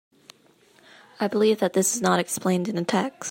I believe that this is not explained in the text.